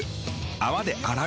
泡で洗う。